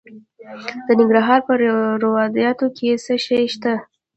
د ننګرهار په روداتو کې څه شی شته؟